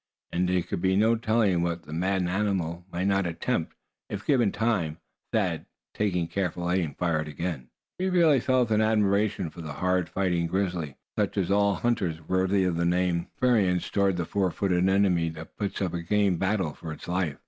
And there could be no telling what the maddened animal might not attempt, if given time. Thad taking careful aim fired again. He really felt an admiration for the hard fighting grizzly, such as all hunters worthy of the name experience toward the four footed enemy that puts up a game battle for its life.